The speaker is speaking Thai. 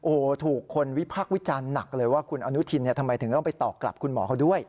โอ้โหถูกคนวิพักษ์วิจารณ์หนักเลยว่าคุณอนุทินทำไมถึงต้องไปตอบกลับคุณหมอเขาด้วย